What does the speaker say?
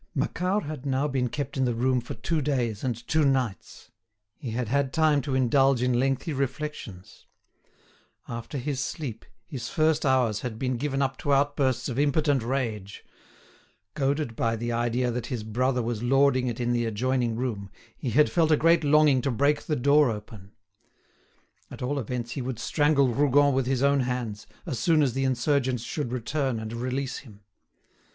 Macquart had now been kept in the room for two days and two nights. He had had time to indulge in lengthy reflections. After his sleep, his first hours had been given up to outbursts of impotent rage. Goaded by the idea that his brother was lording it in the adjoining room, he had felt a great longing to break the door open. At all events he would strangle Rougon with his own hands, as soon as the insurgents should return and release him.